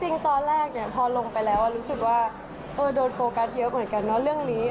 จริงตอนแรกเนี่ยพอลงไปแล้วรู้สึกว่าโดนโฟกัสเยอะเหมือนกันเนอะเรื่องนี้